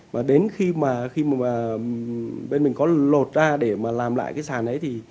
và đến khi mà bên mình có lột ra để mà làm lại cái xà này thì